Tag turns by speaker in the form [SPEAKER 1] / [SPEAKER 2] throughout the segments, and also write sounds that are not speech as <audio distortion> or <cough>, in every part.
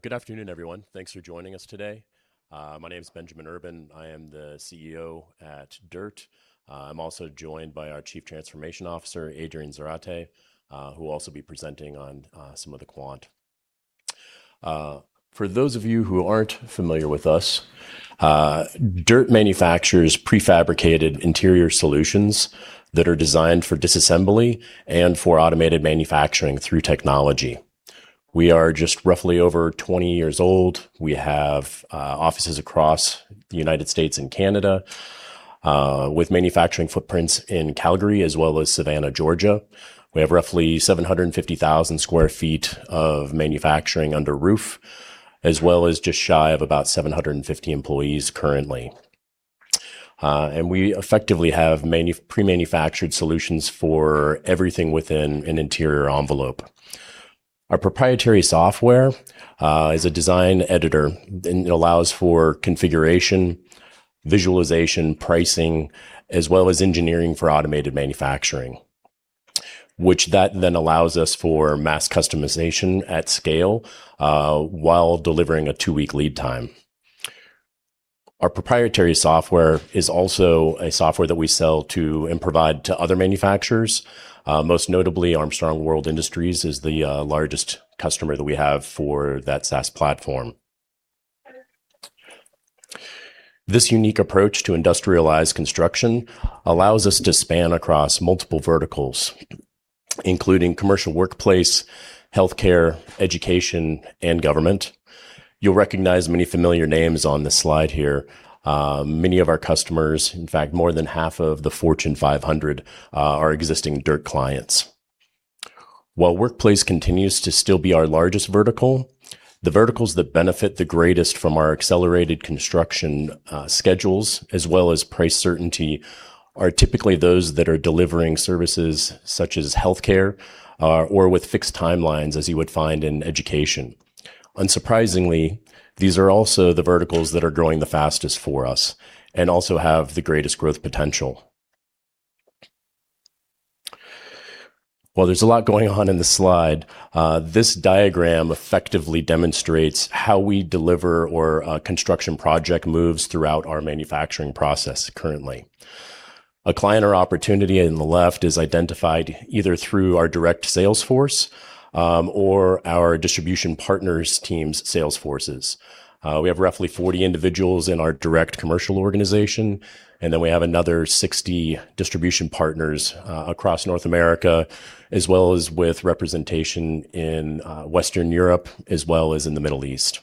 [SPEAKER 1] Good afternoon, everyone. Thanks for joining us today. My name's Benjamin Urban. I am the CEO at DIRTT. I am also joined by our Chief Transformation Officer, Adrian Zarate, who will also be presenting on some of the quant. For those of you who aren't familiar with us, DIRTT manufactures prefabricated interior solutions that are designed for disassembly and for automated manufacturing through technology. We are just roughly over 20 years old. We have offices across the U.S. and Canada, with manufacturing footprints in Calgary as well as Savannah, Georgia. We have roughly 750,000 sq ft of manufacturing under roof, as well as just shy of about 750 employees currently. We effectively have pre-manufactured solutions for everything within an interior envelope. Our proprietary software is a design editor. It allows for configuration, visualization, pricing, as well as engineering for automated manufacturing, which that then allows us for mass customization at scale while delivering a 2-week lead time. Our proprietary software is also a software that we sell to and provide to other manufacturers. Most notably, Armstrong World Industries is the largest customer that we have for that SaaS platform. This unique approach to industrialized construction allows us to span across multiple verticals, including commercial workplace, healthcare, education, and government. You'll recognize many familiar names on this slide here. Many of our customers, in fact, more than half of the Fortune 500, are existing DIRTT clients. While workplace continues to still be our largest vertical, the verticals that benefit the greatest from our accelerated construction schedules as well as price certainty are typically those that are delivering services such as healthcare or with fixed timelines as you would find in education. Unsurprisingly, these are also the verticals that are growing the fastest for us and also have the greatest growth potential. While there's a lot going on in the slide, this diagram effectively demonstrates how we deliver or a construction project moves throughout our manufacturing process currently. A client or opportunity in the left is identified either through our direct sales force or our distribution partners' teams' sales forces. We have roughly 40 individuals in our direct commercial organization. We have another 60 distribution partners across North America as well as with representation in Western Europe as well as in the Middle East.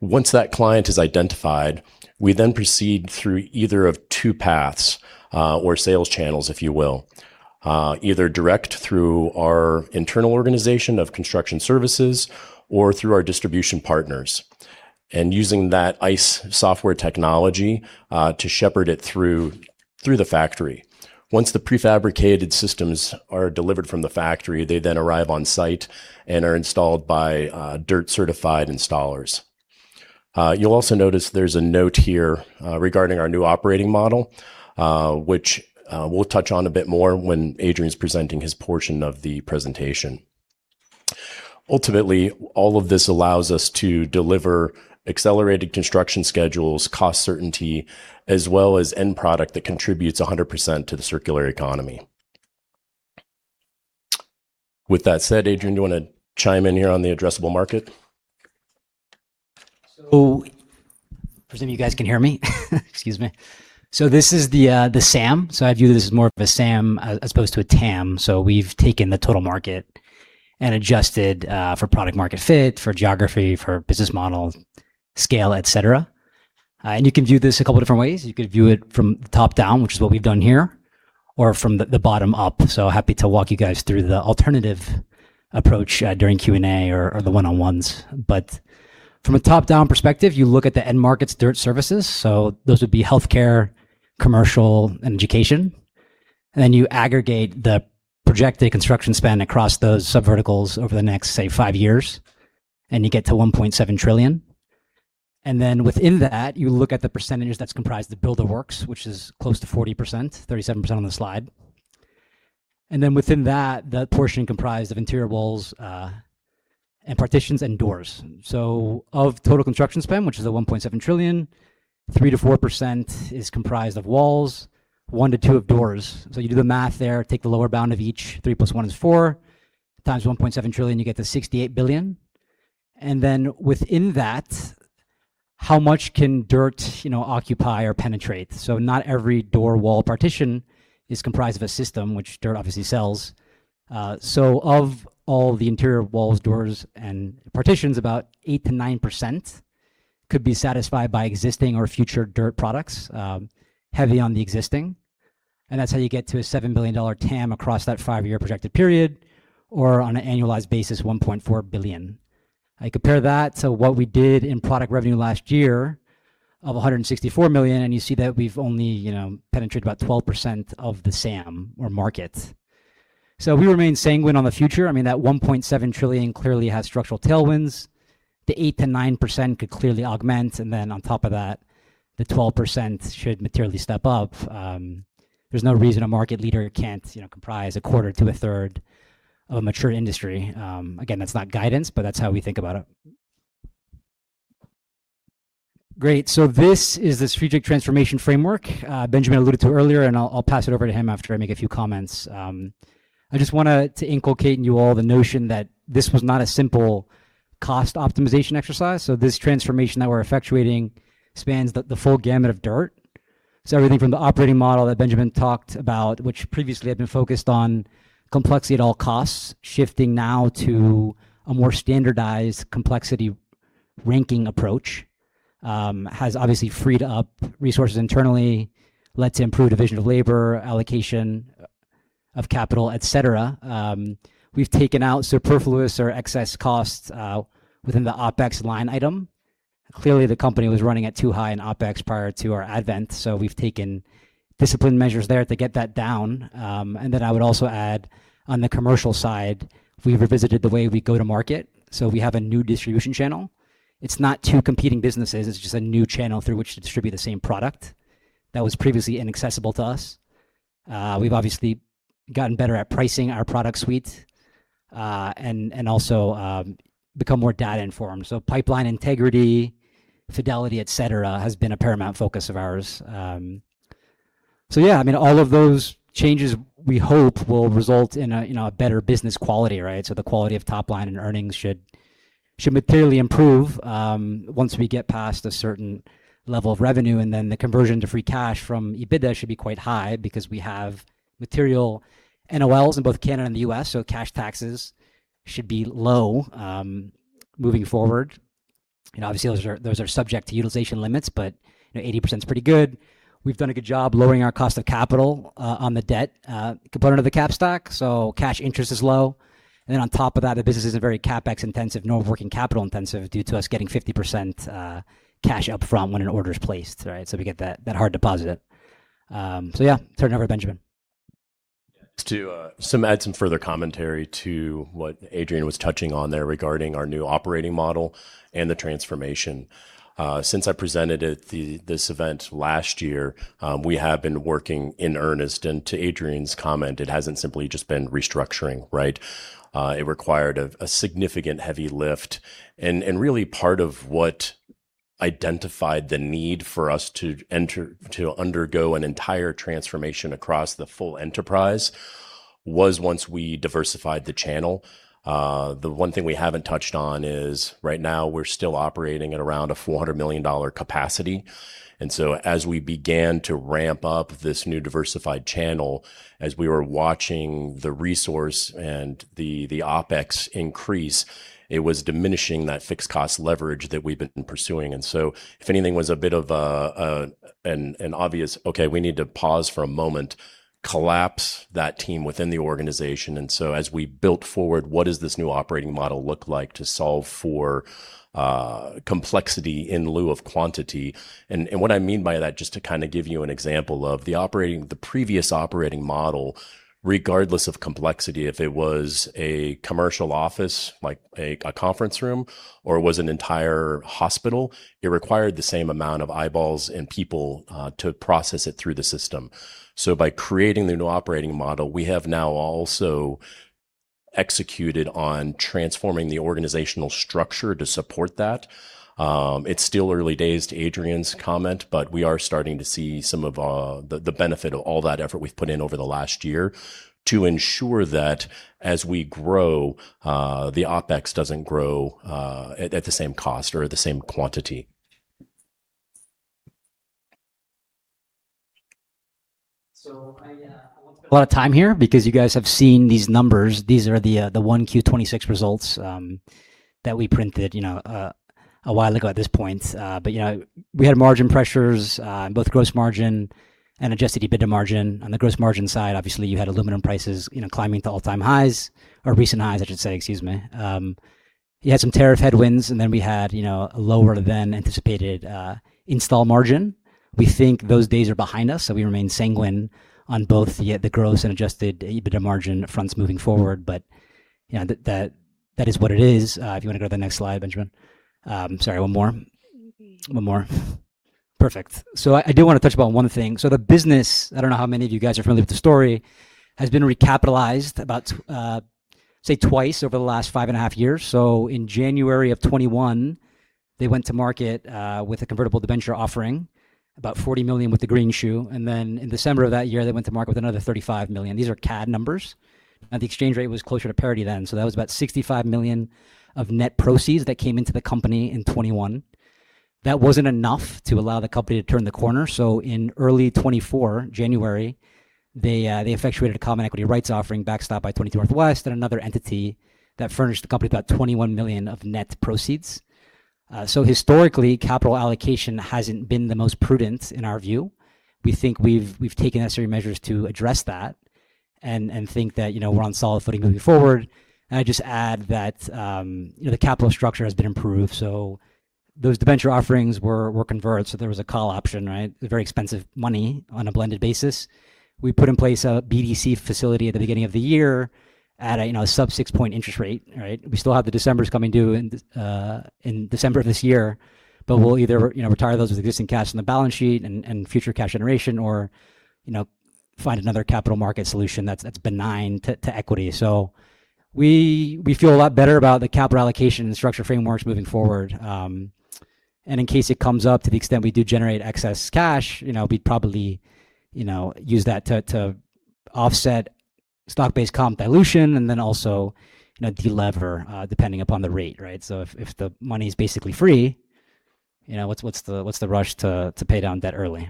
[SPEAKER 1] Once that client is identified, we then proceed through either of two paths, or sales channels, if you will. Either direct through our internal organization of construction services or through our distribution partners. Using that ICE software technology to shepherd it through the factory. Once the prefabricated systems are delivered from the factory, they then arrive on site and are installed by DIRTT-certified installers. You'll also notice there's a note here regarding our new operating model, which we'll touch on a bit more when Adrian's presenting his portion of the presentation. Ultimately, all of this allows us to deliver accelerated construction schedules, cost certainty, as well as end product that contributes 100% to the circular economy. With that said, Adrian, do you want to chime in here on the addressable market?
[SPEAKER 2] Presume you guys can hear me. Excuse me. This is the SAM. I view this as more of a SAM as opposed to a TAM. We've taken the total market and adjusted for product market fit, for geography, for business model scale, et cetera. You can view this a couple different ways. You could view it from the top down, which is what we've done here, or from the bottom up. Happy to walk you guys through the alternative approach during Q&A or the one-on-ones. From a top-down perspective, you look at the end markets DIRTT services, those would be healthcare, commercial, and education. Then you aggregate the projected construction spend across those subverticals over the next, say, five years, and you get to $1.7 trillion. Within that, you look at the percentage that's comprised of build of works, which is close to 40%, 37% on the slide. Within that, the portion comprised of interior walls, partitions and doors. Of total construction spend, which is at $1.7 trillion, 3%-4% is comprised of walls, one to two of doors. You do the math there, take the lower bound of each, three plus one is four, times $1.7 trillion, you get the $68 billion. Within that, how much can DIRTT occupy or penetrate? Not every door, wall, partition is comprised of a system, which DIRTT obviously sells. Of all the interior walls, doors, and partitions, about 8%-9% could be satisfied by existing or future DIRTT products, heavy on the existing. That's how you get to a $7 billion TAM across that five-year projected period or on an annualized basis, $1.4 billion. I compare that to what we did in product revenue last year of $164 million, and you see that we've only penetrated about 12% of the SAM or market. We remain sanguine on the future. I mean, that $1.7 trillion clearly has structural tailwinds. The 8%-9% could clearly augment. On top of that, the 12% should materially step up. There's no reason a market leader can't comprise a quarter to a third of a mature industry. Again, that's not guidance, but that's how we think about it. Great. This is the strategic transformation framework Benjamin alluded to earlier, and I'll pass it over to him after I make a few comments. I just want to inculcate in you all the notion that this was not a simple cost optimization exercise. This transformation that we're effectuating spans the full gamut of DIRTT. Everything from the operating model that Benjamin talked about, which previously had been focused on complexity at all costs, shifting now to a more standardized complexity ranking approach, has obviously freed up resources internally, let's improve division of labor, allocation of capital, et cetera. We've taken out superfluous or excess costs within the OpEx line item. Clearly, the company was running at too high in OpEx prior to our advent, we've taken discipline measures there to get that down. I would also add on the commercial side, we revisited the way we go to market. We have a new distribution channel. It's not two competing businesses. It's just a new channel through which to distribute the same product that was previously inaccessible to us. We've obviously gotten better at pricing our product suite, and also become more data informed. Pipeline integrity, fidelity, et cetera, has been a paramount focus of ours. All of those changes we hope will result in a better business quality, right? The quality of top line and earnings should materially improve, once we get past a certain level of revenue, and then the conversion to free cash from EBITDA should be quite high because we have material NOLs in both Canada and the U.S., so cash taxes should be low, moving forward. Obviously, those are subject to utilization limits, but 80% is pretty good. We've done a good job lowering our cost of capital on the debt component of the cap stack. Cash interest is low. On top of that, the business isn't very CapEx intensive nor working capital intensive due to us getting 50% cash up front when an order is placed, right? We get that hard deposit. Turn it over to Benjamin.
[SPEAKER 1] To add some further commentary to what Adrian was touching on there regarding our new operating model and the transformation. Since I presented at this event last year, we have been working in earnest, and to Adrian's comment, it hasn't simply just been restructuring, right? It required a significant heavy lift and really part of what identified the need for us to undergo an entire transformation across the full enterprise was once we diversified the channel. The one thing we haven't touched on is right now, we're still operating at around a $400 million capacity. As we began to ramp up this new diversified channel, as we were watching the resource and the OpEx increase, it was diminishing that fixed cost leverage that we've been pursuing. If anything was a bit of an obvious, Okay, we need to pause for a moment, collapse that team within the organization. As we built forward, what does this new operating model look like to solve for complexity in lieu of quantity? What I mean by that, just to give you an example of the previous operating model, regardless of complexity, if it was a commercial office like a conference room, or it was an entire hospital, it required the same amount of eyeballs and people to process it through the system. By creating the new operating model, we have now also executed on transforming the organizational structure to support that. It's still early days to Adrian's comment, but we are starting to see some of the benefit of all that effort we've put in over the last year to ensure that as we grow, the OpEx doesn't grow, at the same cost or at the same quantity.
[SPEAKER 2] I won't spend a lot of time here because you guys have seen these numbers. These are the 1Q 2026 results, that we printed a while ago at this point. We had margin pressures, both gross margin and adjusted EBITDA margin. On the gross margin side, obviously, you had aluminum prices climbing to all-time highs or recent highs, I should say. Excuse me. We had some tariff headwinds, we had a lower than anticipated install margin. We think those days are behind us, we remain sanguine on both the gross and adjusted EBITDA margin fronts moving forward. That is what it is. If you want to go to the next slide, Benjamin. Sorry, one more. One more. Perfect. I do want to touch upon one thing. The business, I don't know how many of you guys are familiar with the story, has been recapitalized about, say, twice over the last five and a half years. In January of 2021, they went to market with a convertible debenture offering, about 40 million with the green shoe. In December of that year, they went to market with another 35 million. These are CAD numbers. The exchange rate was closer to parity then. That was about $65 million of net proceeds that came into the company in 2021. That wasn't enough to allow the company to turn the corner. In early 2024, January, they effectuated a common equity rights offering backstop by 22NW and another entity that furnished the company about $21 million of net proceeds. Historically, capital allocation hasn't been the most prudent in our view. We think we've taken necessary measures to address that and think that we're on solid footing moving forward. I'd just add that the capital structure has been improved. Those debenture offerings were converted. There was a call option, right? Very expensive money on a blended basis. We put in place a BDC facility at the beginning of the year at a sub six-point interest rate. Right? We still have the Decembers coming due in December of this year, but we'll either retire those with existing cash on the balance sheet and future cash generation or find another capital market solution that's benign to equity. We feel a lot better about the capital allocation and structure frameworks moving forward. In case it comes up to the extent we do generate excess cash, we'd probably use that to offset stock-based comp dilution and then also delever, depending upon the rate, right? If the money's basically free, what's the rush to pay down debt early?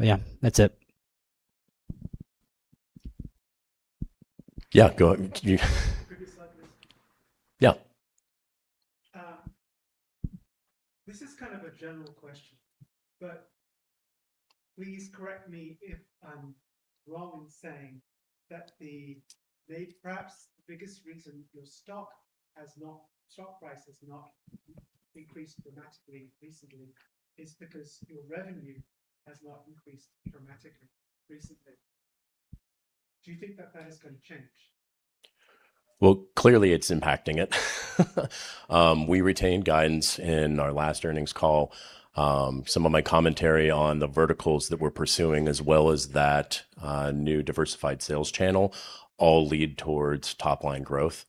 [SPEAKER 2] Yeah. That's it.
[SPEAKER 1] Yeah, go ahead.
[SPEAKER 3] <audio distortion>
[SPEAKER 2] Yeah.
[SPEAKER 4] This is kind of a general question, please correct me if I'm wrong in saying that perhaps the biggest reason your stock price has not increased dramatically recently is because your revenue has not increased dramatically recently. Do you think that that is going to change?
[SPEAKER 1] Clearly, it's impacting it. We retained guidance in our last earnings call. Some of my commentary on the verticals that we're pursuing, as well as that new diversified sales channel all lead towards top-line growth.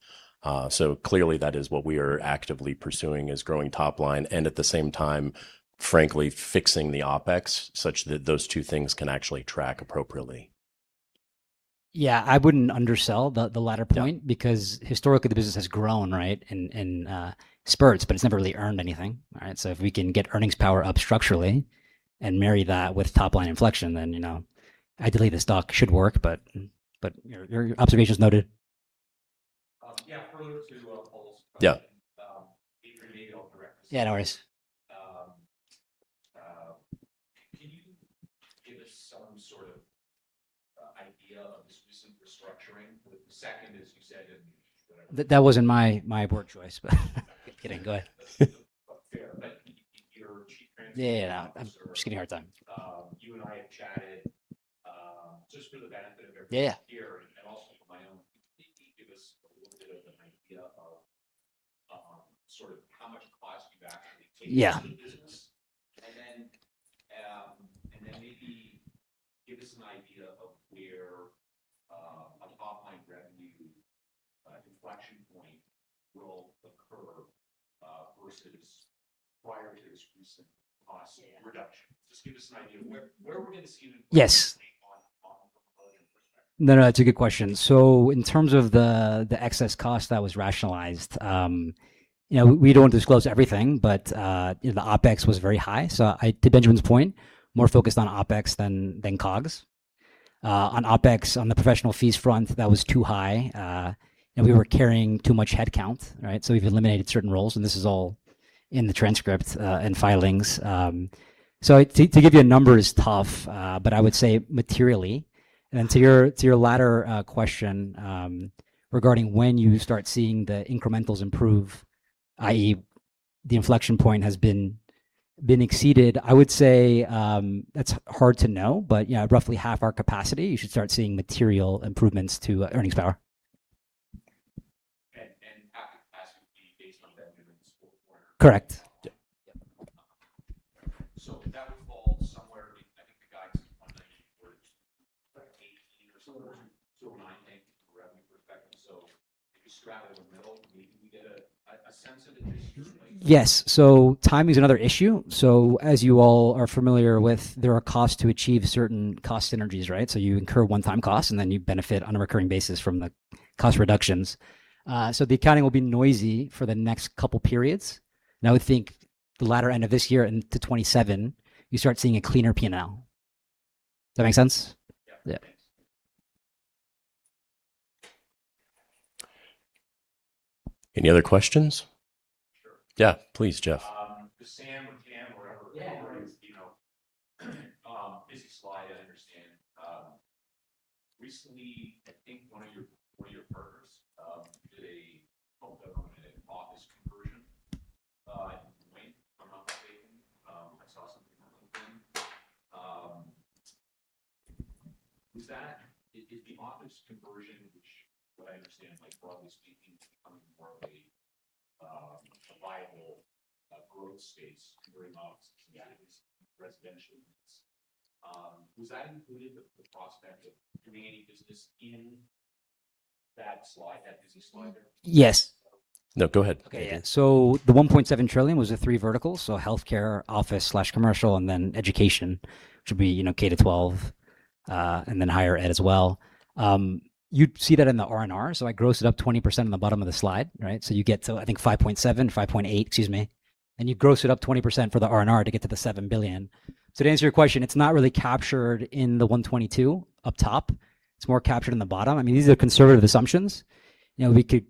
[SPEAKER 1] Clearly that is what we are actively pursuing is growing top line and at the same time, frankly, fixing the OpEx such that those two things can actually track appropriately.
[SPEAKER 2] I wouldn't undersell the latter point. Historically the business has grown, right, in spurts, but it's never really earned anything. Right? If we can get earnings power up structurally and marry that with top-line inflection, ideally the stock should work. Your observation's noted.
[SPEAKER 5] <audio distortion>
[SPEAKER 1] Yeah.
[SPEAKER 5] <audio distortion>
[SPEAKER 2] Yeah, no worries.
[SPEAKER 5] Can you give us some sort of idea of this recent restructuring with the second, as you said?
[SPEAKER 2] That wasn't my board choice, but kidding. Go ahead.
[SPEAKER 5] <audio distortion>
[SPEAKER 2] Yeah. I'm just giving a hard time.
[SPEAKER 5] <audio distortion> Yeah. Yeah. Here and also for my own, can you maybe give us a little bit of an idea of. <audio distortion> Yeah. In the business. Then maybe give us an idea of where a top-line revenue inflection point will occur, versus. <audio distortion>
[SPEAKER 2] Yes
[SPEAKER 5] <audio distortion>
[SPEAKER 2] No, that's a good question. In terms of the excess cost that was rationalized, we don't disclose everything, but the OpEx was very high. To Benjamin's point, more focused on OpEx than COGS. On OpEx, on the professional fees front, that was too high. We were carrying too much headcount, right? We've eliminated certain roles, and this is all in the transcript, and filings. To give you a number is tough, but I would say materially, and to your latter question, regarding when you start seeing the incrementals improve, i.e., the inflection point has been exceeded, I would say, that's hard to know, yeah, roughly half our capacity, you should start seeing material improvements to earnings power.
[SPEAKER 5] <audio distortion>
[SPEAKER 2] Correct.
[SPEAKER 5] <audio distortion>
[SPEAKER 2] Yes. Timing's another issue. As you all are familiar with, there are costs to achieve certain cost synergies, right? You incur one-time costs, and then you benefit on a recurring basis from the cost reductions. The accounting will be noisy for the next couple of periods, and I would think the latter end of this year into 2027, you start seeing a cleaner P&L. Does that make sense?
[SPEAKER 5] Yeah. <audio distortion>
[SPEAKER 1] Any other questions? Yeah, please, Jeff.
[SPEAKER 6] To Sam or Cam or whoever.
[SPEAKER 2] Yeah
[SPEAKER 6] I understand. Recently, I think one of your partners did a whole government office conversion in Wayne, if I am not mistaken. I saw something on LinkedIn. Is the office conversion, which, what I understand, broadly speaking, is becoming more of a viable growth space to bring office communities, residential units? Was that included with the prospect of doing any business in that slide, that busy slide there?
[SPEAKER 2] Yes.
[SPEAKER 1] No, go ahead.
[SPEAKER 2] Okay, yeah. The $1.7 trillion was the three verticals, so healthcare, office/commercial, and education, which would be K-12, and higher ed as well. You'd see that in the R&R. I gross it up 20% in the bottom of the slide, right? You get to, I think 5.7, 5.8, excuse me, and you gross it up 20% for the R&R to get to the $7 billion. To answer your question, it's not really captured in the 122 up top. It's more captured in the bottom. These are conservative assumptions. We could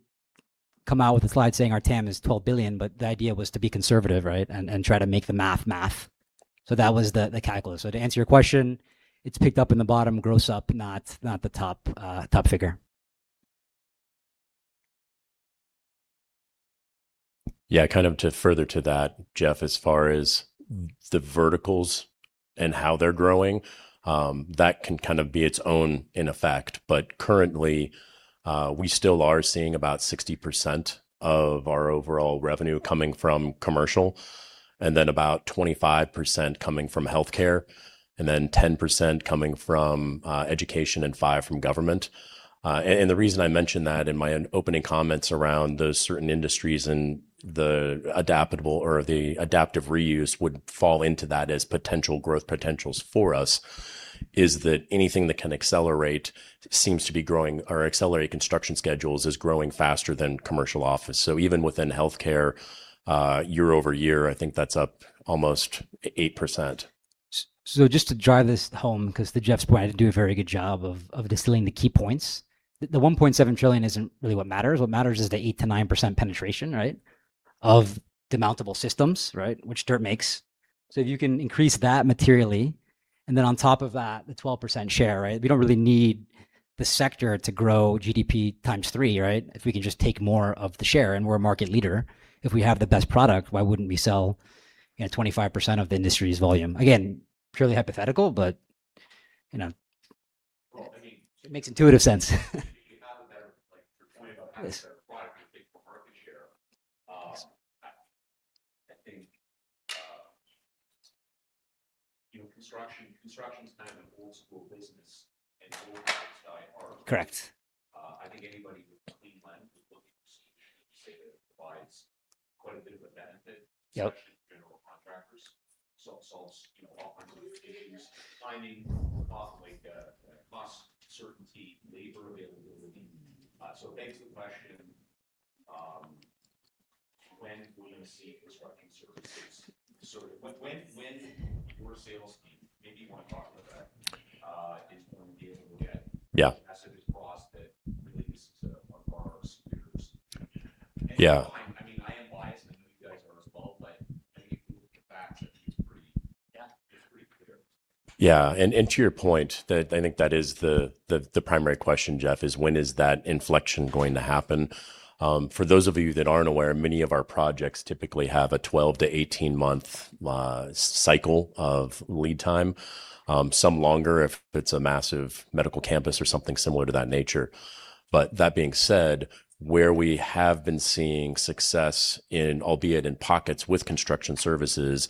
[SPEAKER 2] come out with a slide saying our TAM is $12 billion, the idea was to be conservative, right, and try to make the math. That was the calculus. To answer your question, it's picked up in the bottom gross up, not the top figure.
[SPEAKER 1] Yeah, kind of to further to that, Jeff, as far as the verticals and how they're growing, that can kind of be its own in effect. We still are seeing about 60% of our overall revenue coming from commercial, 25% coming from healthcare, 10% coming from education, and 5% from government. The reason I mention that in my opening comments around those certain industries and the adaptable or the adaptive reuse would fall into that as potential growth potentials for us, is that anything that can accelerate seems to be growing, or accelerate construction schedules is growing faster than commercial office. Even within healthcare, year-over-year, I think that's up almost 8%.
[SPEAKER 2] Just to drive this home, because to Jeff's point, I didn't do a very good job of distilling the key points. The $1.7 trillion isn't really what matters. What matters is the 8%-9% penetration, right? Of demountable systems, right, which DIRTT makes. If you can increase that materially, and on top of that, the 12% share, right? We don't really need the sector to grow GDP times three, right? If we can just take more of the share, and we're a market leader. If we have the best product, why wouldn't we sell 25% of the industry's volume? Again, purely hypothetical, it makes intuitive sense.
[SPEAKER 6] <audio distortion> Construction's kind of an old school business. <audio distortion>
[SPEAKER 2] Correct.
[SPEAKER 6] <audio distortion> Yep Especially to General Contractors. Solves all kinds of issues, finding cost, like cost certainty, labor availability. It begs the question, when will you see construction services When your sales team, maybe you want to talk about that, is going to be able to get-
[SPEAKER 1] Yeah
[SPEAKER 6] <audio distortion>
[SPEAKER 1] Yeah.
[SPEAKER 6] I am biased, I know you guys are as well, I think if you look at the facts, I think it's pretty-
[SPEAKER 2] Yeah
[SPEAKER 6] It's pretty clear.
[SPEAKER 1] Yeah. To your point, I think that is the primary question, Jeff, is when is that inflection going to happen? For those of you that aren't aware, many of our projects typically have a 12-18 month cycle of lead time. Some longer if it's a massive medical campus or something similar to that nature. That being said, where we have been seeing success in, albeit in pockets with construction services,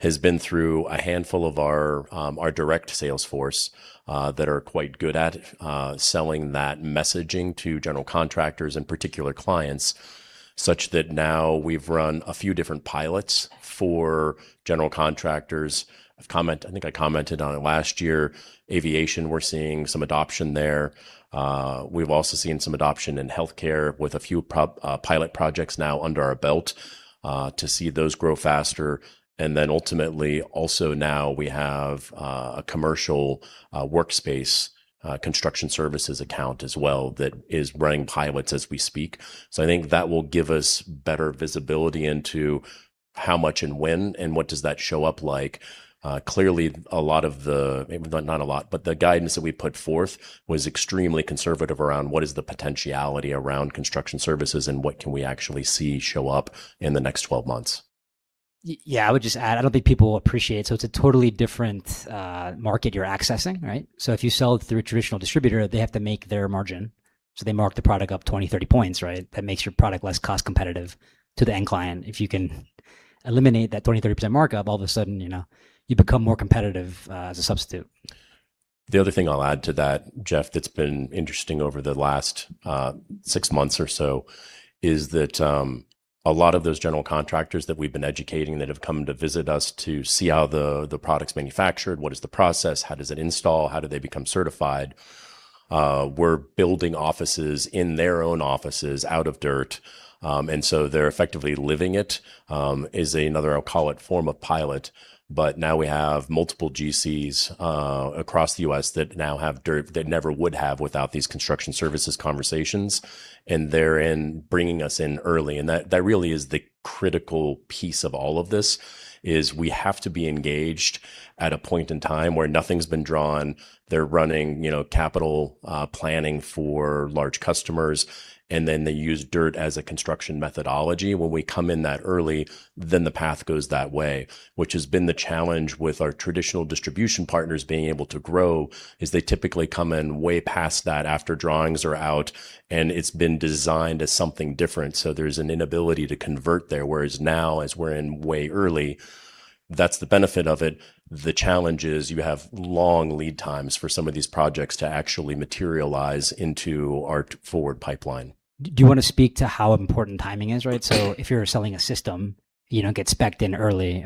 [SPEAKER 1] has been through a handful of our direct sales force, that are quite good at selling that messaging to general contractors and particular clients, such that now we've run a few different pilots for general contractors. I think I commented on it last year, aviation, we're seeing some adoption there. We've also seen some adoption in healthcare with a few pilot projects now under our belt, to see those grow faster. Ultimately, also now we have a commercial workspace construction services account as well that is running pilots as we speak. I think that will give us better visibility into how much and when and what does that show up like. Clearly, a lot of the, maybe not a lot, but the guidance that we put forth was extremely conservative around what is the potentiality around construction services and what can we actually see show up in the next 12 months.
[SPEAKER 2] Yeah, I would just add, I don't think people appreciate, it's a totally different market you're accessing, right? If you sell through a traditional distributor, they have to make their margin. They mark the product up 20, 30 points, right? That makes your product less cost competitive to the end client. If you can eliminate that 20%, 30% markup, all of a sudden you become more competitive, as a substitute.
[SPEAKER 1] The other thing I'll add to that, Jeff, that's been interesting over the last six months or so is that a lot of those general contractors that we've been educating, that have come to visit us to see how the product's manufactured, what is the process, how does it install, how do they become certified, we're building offices in their own offices out of DIRTT. They're effectively living it. It is another, I'll call it form of pilot, but now we have multiple GCs across the U.S. that now have DIRTT that never would have without these construction services conversations. They're in, bringing us in early, and that really is the critical piece of all of this, is we have to be engaged at a point in time where nothing's been drawn. They're running capital planning for large customers, and then they use DIRTT as a construction methodology. When we come in that early, the path goes that way, which has been the challenge with our traditional distribution partners being able to grow, is they typically come in way past that after drawings are out and it's been designed as something different, so there's an inability to convert there. Whereas now, as we're in way early, that's the benefit of it. The challenge is you have long lead times for some of these projects to actually materialize into our forward pipeline.
[SPEAKER 2] Do you want to speak to how important timing is, right? If you're selling a system, get specced in early.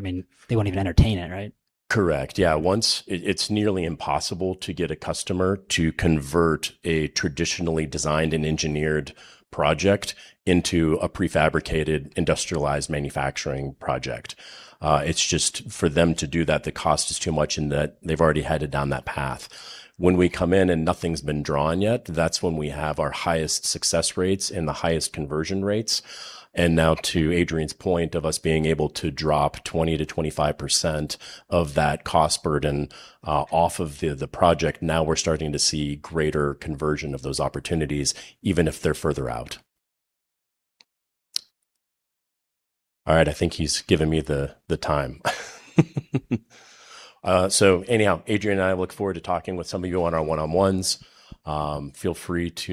[SPEAKER 2] They won't even entertain it, right?
[SPEAKER 1] Correct. Yeah. It's nearly impossible to get a customer to convert a traditionally designed and engineered project into a prefabricated, industrialized manufacturing project. It's just for them to do that, the cost is too much in that they've already headed down that path. When we come in and nothing's been drawn yet, that's when we have our highest success rates and the highest conversion rates. Now to Adrian's point of us being able to drop 20%-25% of that cost burden off of the project, now we're starting to see greater conversion of those opportunities, even if they're further out. All right. I think he's given me the time. Anyhow, Adrian and I look forward to talking with some of you on our one-on-ones. Feel free to